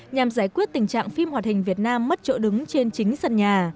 nhằm giải quyết tình trạng phim hoạt hình việt nam mất chỗ đứng trên chính sân nhà